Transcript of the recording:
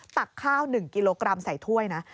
ตักข้าว๑กิโลกรัมใส่ถ้วยนะ